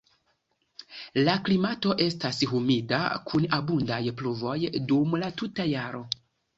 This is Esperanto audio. La klimato estas humida kun abundaj pluvoj dum la tuta jaro.